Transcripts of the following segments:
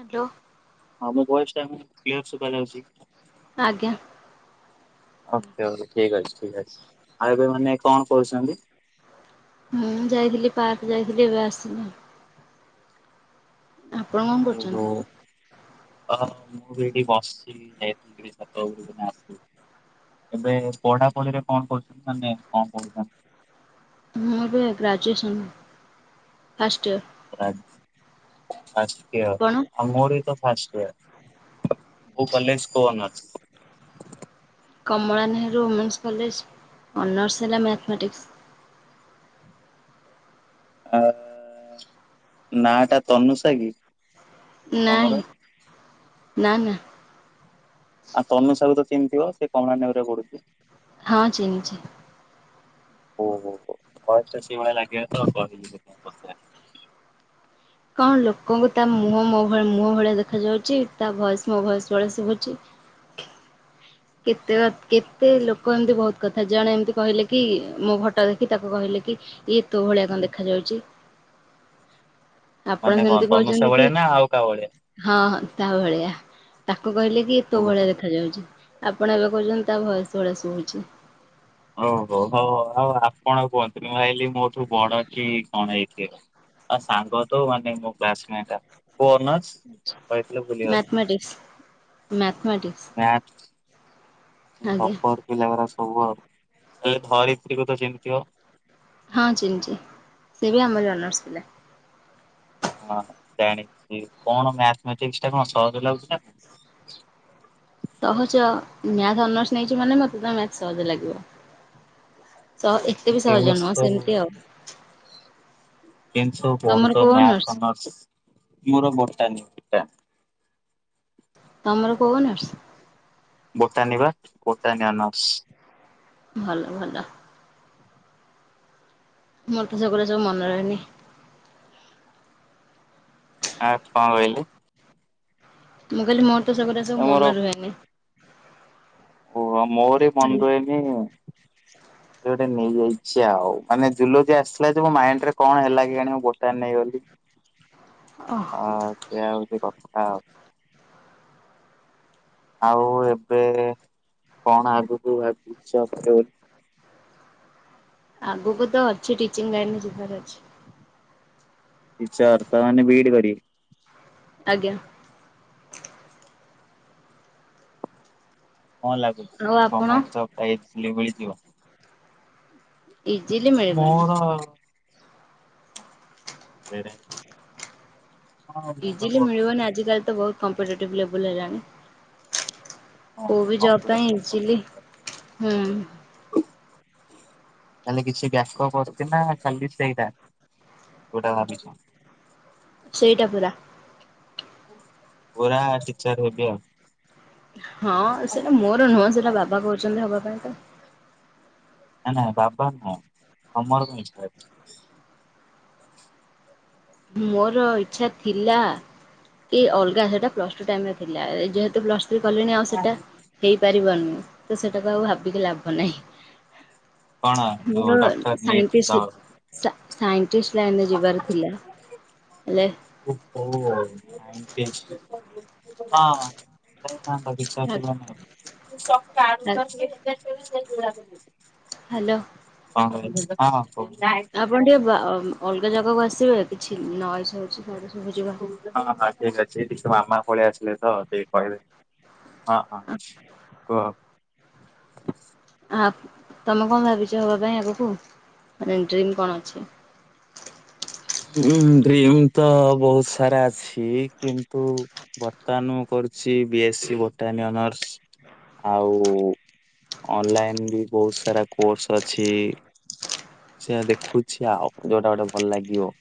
Hello. ହଁ ମୋ voice ଟା କ୍ଲିଅର୍ ଶୁଭାଯାଉଚି। ଆଜ୍ଞା। ଓକେ ଓକେ ଠିକ୍ ଅଛି ଠିକ୍ ଅଛି ଆଉ ଏବେ ମାନେ କଣ କରୁଛନ୍ତି? ହୁଁ ଯାଇଥିଲି ପାର୍କ ଯାଇଥିଲି ଏବେ ଆସିନି ଆଉ। ଆପଣ କଣ ଓହୋ। କରୁଛନ୍ତି? ଅ ମୁଁ ବି ଏଇଠି ବସିଛି ଯାଇଥିଲି ଛାତ ଉପରକୁ ଏଇନା ଆସିିଲି। ଏବେ ପଢା ପଢିରେ କଣ କରୁଛନ୍ତି ମାନେ କଣ ପଢୁଛନ୍ତି। ମଁ ଏବେ graduation first year. Grad first ୟ ଆପଣ? ହଁ ମୋର ବି ତ ଫାଷ୍ଟ ଇୟର। କୋଉ କଲେଜ୍ କୋଉ ଅର୍ନସ୍। Kamala Nehru women's college honours ହେଲା ମ୍ୟାଥମେଟିକ୍ସ। ଆ ନାଁ ଟା ତନୁଷା କି। ତମର? ନାଇଁ ନା ନା। ଆଉ ତନୁଷା ‌କୁ ତ ଚିହ୍ନିଥିବ ସେ କମଳା ନେହେରୁ ରେ ପଢୁଚି। ହଁ ଚିହ୍ନିଚି। ଓ ହୋ ହୋ ଭଏସ୍ ଟା ସେଇ ଭଳିଆ ଲାଗିଲା ତ କହିଲି ସେଥିପାଇଁ। ପଚାରିଲି। କଁ ଲୋକଙ୍କୁ ତା ମୁହଁ ମୋ ଭଳି ମୁହଁ ଭଳିଆ ଦେଖାଯ ଯାଉଛି ତା ଭୟସ ମୋ ଭୟସ ଭଳିଆ ଶୁଭୁଛି। କେତେ କଥ୍ କେତେ ଲୋକ ଏମତି ବହୁତ କଥା ଜଣେ ଏମତି କହିଲେ କି ମୋ ଫଟୋ ଦେଖି ତାକୁ କହିଲେ କି। ଇଏ ତୋ ଭଳିଆ କଁ ଦେଖା ଯାଉଛି। ମାନେ କଁ ସେମିତି ତନୁଷା କହୁଛନ୍ତି କି ଭଳିଆ ନା ଆଉ କା ଭଳିଆ। ହଁ ହଁ ତା ଭଳିଆ ତାକୁ କହିଲେ କି ଇଏ ତୋ ଓହୋ ଭଳିଆ ଦେଖା ଯାଉଛି। ଆପଣ ଏବେ କହୁଛନ୍ତି ତା ଭଏସ୍ ଭଳିଆ ଶୁଭୁଛି। ଓହୋ ହଉ ଆଉ ଆପଣ କୁହନ୍ତୁନି ମୁଁ ଭାବିଲି ମୋଠୁ ବଡ କି କଣ ହେଇଥିବେ। ଆଉ ସଙ୍ଗ ତ ମାନେ ମୋ କ୍ଲାସମେଟେ କୋଉ ଅନର୍ସ। ଆଛା କହିଥିଲେ ଭୁଲିଗଲି mathematics mathematics. Math. ଏ ଟପର ପିଲା ଗୁଡା ସବୁ ଆଉ ଏ ଧରିତ୍ରୀ କୁ ତ ଚିହ୍ନି ଥିବ। ହଁ ଚିହ୍ନିଛିି ସେ ବି ଆମରି ଅନର୍ସ ପିଲା। ହଁ ଜାଣିଛି କଣ ମ୍ୟାଥମେଟିକ୍ସ ଟା କଣ ସହଜ ଲାଗୁଛି ନା। ସହଜ ମ୍ୟାଥ ଅନର୍ସ ନେଇଛି ମାନେ ମତେ ତ ମ୍ୟାଥ୍ ସହଜ ଲାଗିବ। ସହ ଏତେ ବି ସହଜ କେମିତି ନୁହଁ ସବୁ ସେମିତି ଆଉ। କେମତି ସବୁ ତମର ପଢୁଛ କୋଉ ମ୍ୟାଥ ଅନର୍ସ ମୋର ବଟାନି ଟା। ତମର କୋଉ ଅନର୍ସ। ବଟାନି ବା ବଟାନି ଅନର୍ସ। ଭଲ ଭଲ। ମୋର ତ ସେଗୁଡା ସବୁ ମନେ ରହେନି। ମ୍ୟାଥ୍ କଁ କହିଲେ। ମୁଁ କହିଲି ମୋର ତ ସଗୁରା ସବୁ ଏ ମୋର ମନେ ରୁହେନି। ଓ ହଁ ମୋରି ବି ମନେ ରୁହେନି। ଏମତି ଗୋଟେ ନେଇ ଯାଇଛି ଆଉ ମାନେ ଯୁଲୋଯି ଆସିଥିଲା ଯେ ମୋ ମାଇଣ୍ଡ ରେ କଣ ହେଲା କେଜାଣି ମୁଁ ବଟାନି ନେଇଗଲି। ଅ। ଆଉ ସେଇୟା ହଉଛି କଥା ଆଉ। ଆଉ ଏବେ କଣ ଆଗକୁ ଭାବିଛ କରିବ ବୋଲି। ଆଗକୁ ତ ଅଛି ଟିଚିଂ ଲାଇନରେ ଯିବାର ଅଛି। ଟିଚର‌ ତା ମାନେ ବି ଇ ଡି କରିବେ। ଆଜ୍ଞା। କଣ ଆଉ ଲାଗୁଛି ଆପଣ? ଗଣମେଣ୍ଟ ଜବ ଟା ଇଜିଲି ମିଳିଯିବ। ଇଜିଲି ମିଳିବନି। ମୋର ସେଇଟା ହିଁ। ଇଜିଲି ମିଳିବନି ଆଜିକାଲି ତ ବହୁତ କମ୍ପିଟେଟିଭ୍ ଲେବୁଲ ହେଲାଣି। ହଁ କୋଉ ବି ଜବ୍ ଟା ହିଁ କମ୍ପିଟିସନ ତ ଇଜିଲି ବହୁତ ଥାଏ। ହୁଁ। ତାହେଲେ କିଛି ବ୍ୟାକଅପ୍ ନା ଖାଲି ସେଇଟା ଯୋଉଟା ଭାବିଛ। ସେଇଟା ପୁରା। ପୁରା ଟିଚର ହେବି ଆଉ। ହଁ ସେଟା ମୋର ନୁହଁ ସେଟା ବାବା କହୁଛନ୍ତି ହବା ପାଇଁ ତ [unintelligible] ମୋର ଇଚ୍ଛା ଥିଲା କି ଅଲ୍ଗା ସେଟା ପ୍ଲସ୍ ଟୁ ଟାଇମ୍ ରେ ଥିଲା। ଯେହେତୁ ପ୍ଲସ୍ ଚାକିରି କଲିଣି ଆଉ ସେଟା ହେଇପାରିବନି ତ ସେଟାକୁ ଆଉ ଭାବିକି ଲାଭ ନାହିଁ। କଣ ଯୋଉ ମୋର ଡକ୍ଟର ନିଟ୍ ସାଇଣ୍ଟିଷ୍ଟ ଦବ ସା-ସାଇଣ୍ଟିଷ୍ଟ ଲାଇନ୍ ରେ ଯିବାର ଥିଲା। ହେଲେ ଓହୋ, ସାଇଣ୍ଟିଷ୍ଟ। ହଁ, ହଁ। [unintelligible] ହାଲୋ। ହ ହଁ ହଉ ଆପଣ ଟିକେ [unintelligible] ବା ଓମ୍। ଅଲ୍ଗା ଜାଗାକୁ ଆସିବେ, କିଛି ନଏଜ୍ ହୋଉଛି ମତେ ଶୁଭୁଛି ବା। ହଁ ହଁ, ଠିକ୍ ଅଛିି ସେ ମାମା ପଳେଇ ଆସିଲେ ତ ଟିକେ କହିବେ। ହଁ ହଁ, କୁହ? ଆ ତମେ କଣ ଭାବିଛ ହବା ପାଇଁ ଆଗକୁ, ମାନେ ଡ୍ରିମ୍ କଣ ଅଛି? ହୁଁ ଡ୍ରିମ୍ ତ ବୋହୁତ୍ ସାରା ଅଛି। କିନ୍ତୁ ବର୍ତ୍ତମାନ୍ ମୁଁ କରୁଛି B S C botany honours. ଆଉ ଅନଲାଇନ୍ ବି ବୋହୁତ୍ ସାରା କୋର୍ସ ଅଛି। ସେଇୟା ଦେଖୁଛି ଆଉ। ଯୋଉଟା ଗୋଟେ ଭଲ ଲାଗିବ।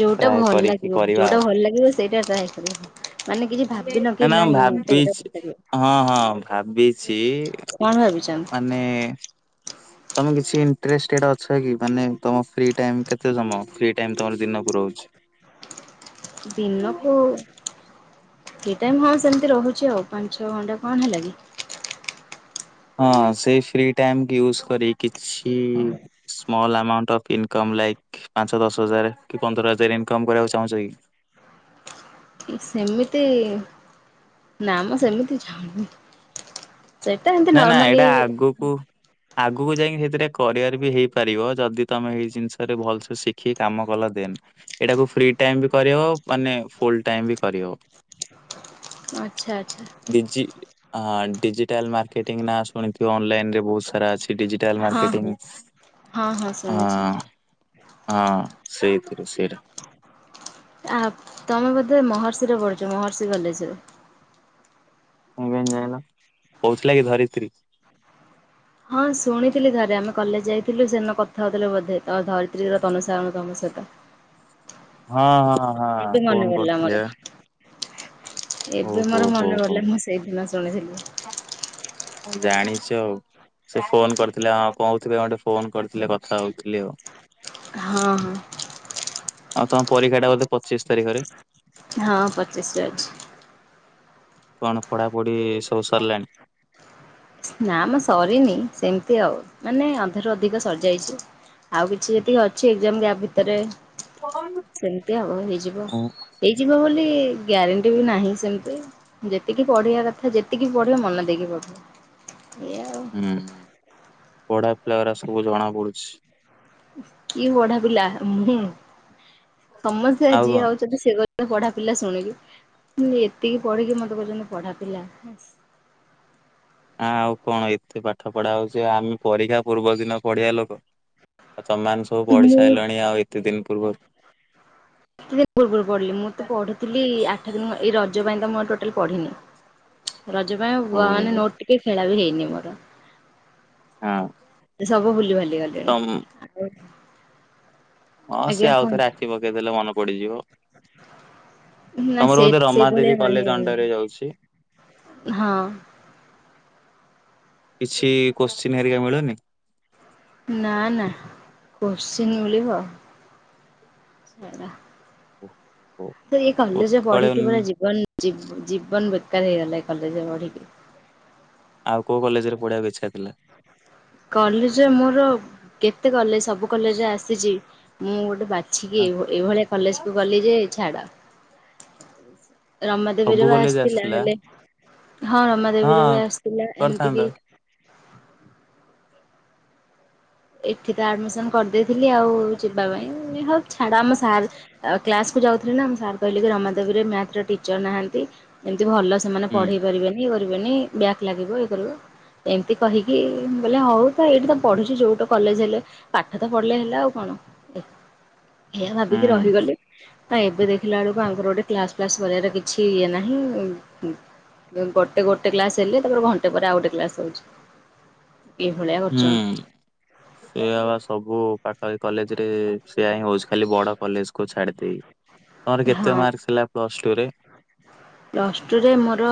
ଯୋଉଟା ଟ୍ରାଏ ଭଲ କରିକି ଲାଗିବ, କରିବା ଯୋଉଟା ଆଉ। ଭଲ ଲାଗିବ ସେଇଟା ଟ୍ରାଏ କରିବ ମାନେ କିଛି ଭାବିନ କି ଏନା ମୁଁ ନାଇଁ ମତେ ଏଇଟା ଭଲ ଭାବିଛି, ଲାଗିବ ହଁ ହଁ ଭାବିଛି କଣ ଭାବିଛ? ନେ ତମେ କିଛି ଇଣ୍ଟ୍ରେଷ୍ଟେଡ୍ ଅଛ କି ମାନେ ତମ ଫ୍ରି ଟାଇମ୍ କେତେ ସମୟ? ଫ୍ରି ଟାଇମ୍ ତମର ଦିନକୁ ରହୁଛି? ଦିନକୁ ଫ୍ରି ଟାଇମ୍ ହଁ ସେମିତି ରହୁଛି ଆଉ। ପାଞ୍ଚ ଛଅ ଘଣ୍ଟା କଣ ହେଲା କି? ହଁ ସେ ଫ୍ରି ଟାଇମ୍ କୁ ୟୁଜ୍ କରି କିଛି ସ୍ମଲ୍ ଆକାଉଣ୍ଟ୍ ର ପିନ୍ କମ୍ ଲାଇକ୍, ପାଞ୍ଚ ଦଶ ହଜାର କି ପନ୍ଦର ହଜାର ଇନ୍କମ୍ କରିବାକୁ ଚାହୁଁଛ କି? ସେମିତି, ନା ମ ସେମିତି ଚାହୁଁନି। ସେଇଟା ହେମିତି ନର୍ମାଲି ଗୁପୂ ଆଗକୁ ଯାଇଙ୍କି ହେଥିରେ କରିଅର ବି ହେଇପାରିବ ଯଦି ତମେ ଏଇ ଜିନ୍ସରେ ଭଲ୍ସେ ଶିଖି କାମ କଲ ଦେନ୍। ଏଇଟାକୁ ଫ୍ରି ଟାଇମ୍ ବି କରିହବ, ମାନେ ଫୁଲ୍ ଟାଇମ୍ ବି କରିହବ। ଆଚ୍ଛା ଆଚ୍ଛା। ଡିଜି ଅଁ ଡିଜିଟାଲ୍ ମାର୍କେଟିଂ ନା ଶୁଣିଥିବ, ଅନଲାଇନ୍ ରେ ବୋହୁତ୍ ସାରା ଆସେ ଡିଜିଟାଲ୍ ହଁ ମାର୍କେଟିଂ, ହଁ ହଁ ହଁ ଶୁଣିଛି। ହଁ ସେଇ- ସେଇଟା। ଆ ତମେ ବୋଧେ ମହର୍ଷି ରେ ପଢୁଛ, ମହର୍ଷି କଲେଜ ରେ? ତମେ କେମିତି ଜାଣିଲ? କହୁଥିଲା କି ଧରିତ୍ରୀ? ହଁ ଶୁଣିଥିଲି ଥରେ, ଆମେ କଲେଜ୍ ଯାଇଥିଲୁ, ସେ ଦିନ କଥା ହୋଉଥିଲେ ବୋଧେ, ଅ ଧରିତ୍ରୀର ତନୁସାର୍ ତମ ସହିତ। ହଁ ହଁ ହଁ, ଏବେ ମନେ ଫୋନ୍ ପଡିଲା ମୋର କରୁଥିଲେ ବା। ଏବେ ଓହୋ ମୋର ମନେ ପଡିଲା, ମୁଁ ସେଇଦିନ ଶୁଣିଥିଲି। ଜାଣିଛ ଆଉ। ସେ ଫୋନ୍ କରିଥିଲେ ଆ କୋଉଥିରେ ଗୋଟେ ଫୋନ୍ କରିଥିଲେ। କଥା ହଉଥିଲି ଆଉ। ହଁ ହଁ। ଆଉ ତମ ପରୀକ୍ଷା ଟା ବୋଧେ ପଚିସି ତାରିଖରେ? ହଁ ପଚିସିରେ ଅଛି। କଣ ପଢାପଢି ସବୁ ସରିଲାଣି? ନା ମ ସରିନି ସେମିତି ଆଉ। ମାନେ ଅଧାରୁ ଅଧିକ ସରିଯାଇଛି। ଆଉ କିଛି ଯେତିକି ଅଛି ଏଗଜମ୍ ୟା ଭିତରେ ସେମିତି ଆଉ ହେଇଯିବ। ହୁଁ ହେଇଯିବ ବୋଲି ଗ୍ୟାରେଣ୍ଟି ବି ନାହିଁ ସେମିତି। ଯେତିକି ପଢିବା କଥା ଯେତିକି ପଢିବ ମନେ ଦେଇକି ପଢିବ ଏଇଆ ଆଉ। ହୁଁ ହଁ ପଢା ପିଲା ରା ସବୁ ଜଣା ପଡୁଚି। କିଏ ପଢା ପିଲା ମୁଁ ସମସ୍ତେ ଆଉ ଯିଏ କଣ? ହଉଚନ୍ତି ସେ ପଢା ପିଲା ଶୁଣିଲୁ ମୁଁ ଏତିକି ପଢିକି ମତେ କହୁଚନ୍ତି ପଢା ପିଲା ହେସ୍। ଆଁ ଆଉ କଣ ଏତେ ପାଠ ପଢା ହଉଚି ଆମେ ପରୀକ୍ଷା ପୂର୍ବ ଦିନ ପଢିଆ ଲୋକ। ଆଉ ତମମାନେ ସବୁ ପଢି ସାରିଲଣି ଆଉ ଏତେ ଦିନ ପୂର୍ବରୁ କେତେଦିନି ପୂର୍ବରୁ ପଢ଼ିଲି ମୁଁ ତ ପଢି ଥିଲ ଆଠ ଦିନ ଏଇ ରଜ ପାଇଁ ତ ମୁଁ ଟୋଟାଲ ପଢିନି ରଜ ପାଇଁ ଓ ମାନେ ଟିକ ଟିକେ ଖେଳା ବି ହେଇନି ମୋର। ହଁ। ସବୁ ବୁଲି ଭୁଲି ଗଲେଣି ତମ ଆଗ ହଁ ସିଏ ଆଉ ଥରେ ଆଖି ପକେଇ ଦେଲେ ମନେ ପଡିଯିବ। ନା ତମର ସେ ବୋଧେ ରମା ଦେବୀ ସେଇଭଳିଆ କଲେଜ ଅଣ୍ଡରେ ଯାଉଛି? ହଁ। କିଛି କୋଶ୍ଚିନ୍ ହେରିକା ମିଳୁନି? ନା ନା କୋଶ୍ଚିନ୍ ମିଳିବ ଆଉ। ସେଇଟା ତ ଏଇ କଲେଜରେ ଉତ୍କଳ ପଢିକି ପୁର ୟୁନି ଜୀବନ ଜି ଜୀବନ ବେକାର ହେଇଗଲା ଏ କଲେଜରେ ପଢିକି। ଆଉ କୋଉ କଲେଜରେ ପଢିବାକୁ ଇଛା ଥିଲା? କଲେଜରେ ମୋର କେତେ କଲେଜ ସବୁ କଲେଜରେ ଆସିଚି। ମୁଁ ଗୋଟେ ବାଛିକି ଏଭ ଏଭଳିଆ କଲେଜକୁ ଗଲି ଯେ ଛାଡ଼ ରମାଦେବୀରେ ସବୁ ବି କଲେଜ ଆସିଥିଲା ହେଲେ ହଁ ରମାଦେବୀରେ ବି ହଁ ଆସିଥିଲା ଏମିତି କରିଥାନ୍ତ କିି ଏଠି ତ ଆଡମିସନ କରିଦେଇଥିଲି ଆଉ ଯିବା ପାଇଁ ହଉ ଛାଡା ଆମ ସାର୍ ଆ କ୍ଲାସକୁୁ ଯାଉଥିଲି ନା ଆମ ସାର୍ କହିଲେ କି ରମାଦେବୀରେ ମ୍ୟାଥ ର ଟିଚର ନାହାନ୍ତି। ଏମିତି ଭଲ ସେମାନେ ହୁଁ। ପଢେଇ ପାରିବେନି। ବନି ବ୍ୟାକ୍ ଲାଗିବ ଇଏ କରିବ ଏମିତି କହିକି ମୁଁ କହିଲି ହଉ ତ ଏଇଠି ତ ପଢୁଛି ଯୋଉଟ କଲେଜ ହେଲେ ପାଠ ତ ପଢିଲେ ହେଲା ଆଉ କଣ ଏହା ହୁଁ ଭାବିକି ରହିଗଲି। ନା ଏବେ ଦେଖିଲା ବେଳକୁ ଆଙ୍କର ଗୋଟେ କ୍ଲାସ ଫ୍ଲାସ କରିବାର କିଛି ଇଏ ନାହିଁ ମ୍ ଗୋଟେ ଗୋଟେ କ୍ଲାସ ହେଲେ ତାପରେ ଘଣ୍ଟେ ପରେ ଆ ଗୋଟେ କ୍ଲାସ ହଉଛି। ଏଇଭଳିଆ କରୁଛନ୍ତି ହୁଁ। ସେ ବା ବା ସବୁ ପାଖ ଏ କଲେଜ ରେ ସେଆ ହିଁ ହଉଚି ଖାଲି ବଡ କଲେଜ କୁ ଛାଡିଦେଇ। ତମର କେତେ ହଁ। ମାର୍କ ହେଥିଲା ପ୍ଲସ ଟୁରେ? ପ୍ଲସ୍ ଟୁରେ ମୋର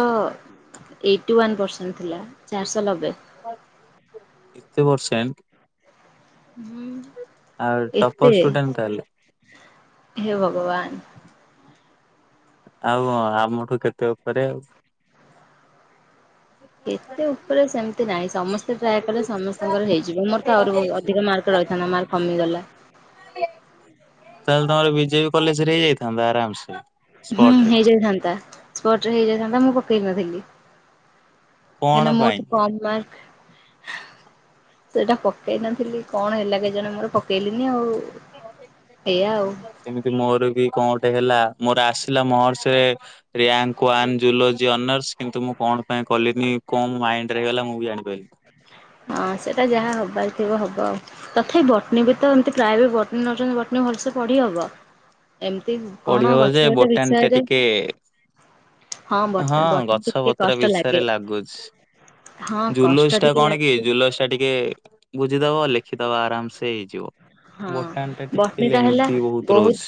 ଏଇଟି ୱାନ୍ ପରସେଣ୍ଟ ଥିଲା ଚାରିଶହ ଲବେ। ଏତେ ପସେଣ୍ଟ। ହୁଁ ଆଉ ଟପର ଏତେ ଷ୍ଟୁଡେଣ୍ଟ ତାହେଲେ। ହେ ଭଗବାନ। ଆଉ କଣ ଆମଠୁ କେତେ ଉପରେ ଆଉ। କେତେ ଉପରେ ସେମିତି ନାହିଁ ସମସ୍ତେ ଟ୍ରାଏ କଲେ ସମସ୍ତଙ୍କର ହେଇଯିବ ମୋର ତ ଆହୁରି ବୋ ଅଧିକ ମାର୍କ ରହିଥାନ୍ତା ମାର୍କ କମିଗଲା। ତାହେଲେ ତମର ବିଜେପି କଲେଜରେ ହେଇ ଯାଇଥାନ୍ତା ଆରାମସେ। ହୁଁ ସ୍ପଟ ରେ ହେଇଯାଇଥାନ୍ତା ସ୍ପଟରେ ହେଇଯାଇଥାନ୍ତା ମୁଁ ପକେଇକ ନଥିଲି। କଣ ଦେନ ପାଇଁ? ମୋଠୁ କମ ମାର୍କ ସେଟା ପକେଇ ନଥିଲି କଣ ହେଲା କେ ଜାଣି ମୋର ପକେଇଲିନି ଆଉ। ଏଇଆ ଆଉ। ସେମିତି ମୋର ବି କଣ ଗୋଟେ ହେଲା ମୋର ଆସିଲା ମହର୍ଷରେ ରିୟାଙ୍କ ୱାନ ଜୁଲୋଜି ଅନର୍ସ କିନ୍ତୁ ମୁଁ କଣ ପାଇଁ କଲିନି କଣ ମୋ ମାଇଣ୍ଡ ରେ ହେଇଗଲା ମୁଁ ବି ଜାଣିପାରିଲିନି। ହଁ ସେଟା ଯାହା ହବାର ଥିବ ହବ ଆଉ। ତଥାପି ବଟନୀ ବି ତ ଏମିତି ପ୍ରାୟ ବି ବଟନୀ ନଉଛନ୍ତି ବଟନୀ ଭଲସେ ପଢି ହବ। ଏମିତି କଣ ପଢିବ ହବ ଗଛ ଯେ ଗଛ ବଟନୀ ଟା ବିଷୟରେ ଟିକେ ବଟ ହଁ ବଟନୀ ଗଛ ଟିକେ ପତ୍ର କଷ୍ଟ ଲାଗେ। ବିଷୟରେ ଲାଗୁଚି। ହଁ କଷ୍ଟ ଜୁଲସ୍ ଟା ଟିକେ କଣ କି ଲାଗେ ଜୁଲସ୍ ଟା ଟିକେ ବୁଝିଦବ ଲେଖିଦବା ଆରାମ୍ ସେ ହେଇଯିବ। ହଁ ବୋଟାନି ଟା ଟିକେ ବଟ୍ନି ଟା ହେଲା ଲେନ୍ଦି ବହୁତ ବହୁତ୍ ରହୁଛି।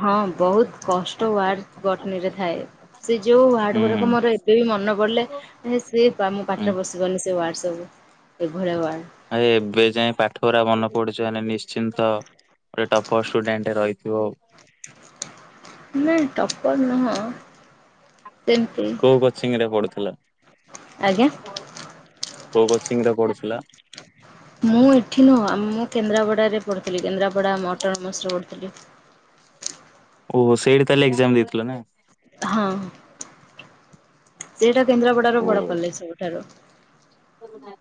ହଁ ବହୁତ୍ କଷ୍ଟ ୱାର୍ଡ୍ ବଟ୍ନରେ ଥାଏ। ସେ ଯେଉଁ ୱାର୍ଡ଼ ଗୁଡ଼ାକ ହୁଁ ମୋର ଏବେ ବି ମନେ ପଡ଼ିଲେ ସେ ଆମଁ ହୁଁ ପାଟିରେ ପଶିବନି ସେ ୱାର୍ଡ଼ ସବୁ ଏଭଳିଆ ୱାର୍ଡ଼। ଆ ଏବେ ଯାଇ ପାଠ ଉରା ମନେ ପଡ଼ୁଛି ମାନେ ନିଶ୍ଚିନ୍ତ। ଗୋଟେ ଟପର ଷ୍ଟୁଡେଣ୍ଟରେ ରହିଥିବଉ ନାଇଁ ଟପର୍ ନୁହଁ। ସେମିତି କୋଉ କୋଚିଂ ରେ ପଢ଼ୁଥିଲ? ଆଜ୍ଞା। କୋଉ କୋଚିଂ ରେ ପଢୁଥିଲ ମୁଁ ଏଠି ନୁହଁ ଆ ମୁଁ କେନ୍ଦ୍ରାପଡ଼ାରେ ପଢ଼ୁଥିଲି କେନ୍ଦ୍ରାପଡ଼ା ଆମ ଅଟନମସ୍ ରେ ପଢ଼ୁଥିଲି। ଓହୋ ସେଇଠି ତାହେଲେ ଏକ୍ଜାମ ଦେଇଥିଲ ନା ହଁ ସେଇଟା କେନ୍ଦ୍ରାପଡ଼ାର ଓ ବଡ କଲେଜ୍ ସବୁଠାରୁ।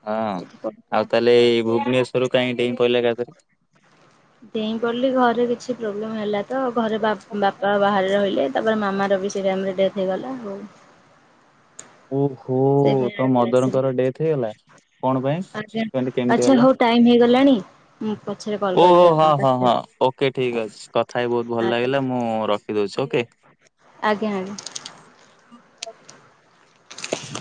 ହଁ ସେଇଠି ଆଉ ପଢ଼ୁଥିଲି। ତାହେଲେ ଏଇ ଭୁବନେଶ୍ଵରରୁ କାହିଁକି ଡେଇଁ ପଡ଼ିଲ ଏକାଥରେ। ଡ଼େଇଁ ପଡି଼ଲି ଘରେ କିଛି ପ୍ରୋବ୍ଲେମ୍ ହେଲା। ତ ଘରେ ବାପା ବାହାରେ ରହିଲେ ତାପରେ ମାମାର ବି ସେଇ ଟାଇମ୍ ରେ ଡେଥ୍ ହେଇଗଲା ଆଉ। ଓହୋ ସେଇପାଇଁ ଆଡ଼େ ତମ ପଳେଇ ଆସିଲି। ମଦରଙ୍କର ଡେଥ୍ ହେଇଗଲା। କଣ ପାଇଁ ଆଜ୍ଞା କେମ୍ତି କେମିତି ଆଚ୍ଛା ହେଲା ହଉ ଟାଇମ୍ ହେଇଗଲାଣି ମୁଁ ପଛରେ କଲ୍ ଓହୋ କରିବି ହଁ ଆପଣ ହଁ ହଁ କାଟିଦିଅନ୍ତୁ। ଓ ଓକେ ଠିକ୍ ଅଛି କଥା ହେଇ ବହୁତ୍ ଭଲ ଆଜ୍ଞା ଲାଗିଲା ମୁଁ ରଖିଦେଉଛି ଓକେ। ଆଜ୍ଞା ଆଜ୍ଞା।